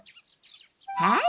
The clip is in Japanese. はい。